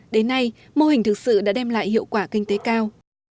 đến nay mô hình thực sự đã đem lại hiệu quả kinh tế cao